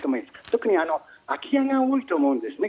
特に空き家が多いと思うんですね